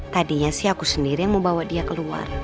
tadinya sih aku sendiri yang mau bawa dia keluar